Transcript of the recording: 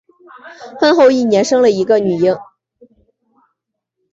婚后一年生了个女婴